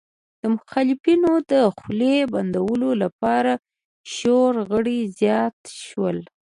د مخالفینو د خولې بندولو لپاره شورا غړي زیات شول